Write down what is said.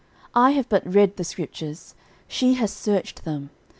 "I have but read the Scriptures, she has searched them.